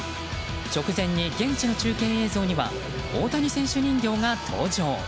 直前に現地の中継映像には大谷選手人形が登場。